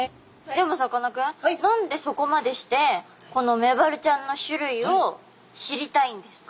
でもさかなクン何でそこまでしてこのメバルちゃんの種類を知りたいんですか？